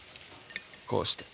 こうして。